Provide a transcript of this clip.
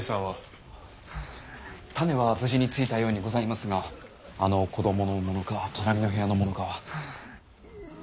種は無事についたようにございますがあの子どものものか隣の部屋のものかは。